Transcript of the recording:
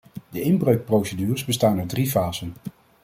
De inbreukprocedures bestaan uit drie fasen.